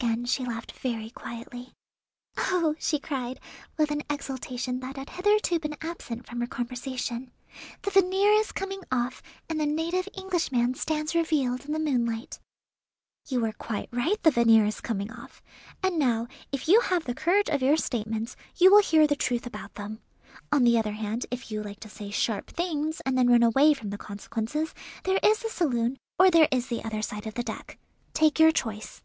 Again she laughed very quietly. "Oh!" she cried, with an exultation that had hitherto been absent from her conversation; "the veneer is coming off, and the native Englishman stands revealed in the moonlight." "You are quite right, the veneer is coming off. And now, if you have the courage of your statements, you will hear the truth about them. On the other hand, if you like to say sharp things and then run away from the consequences, there is the saloon, or there is the other side of the deck. Take your choice."